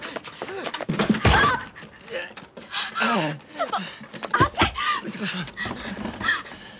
ちょっと！